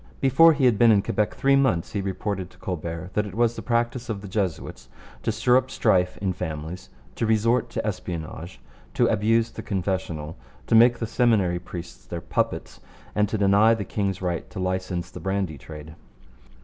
Before he had been in Quebec three months he reported to Colbert that it was the practice of the Jesuits to stir up strife in families, to resort to espionage, to abuse the confessional, to make the Seminary priests their puppets, and to deny the king's right to license the brandy trade.